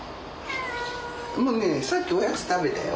もうねさっきおやつ食べたよ。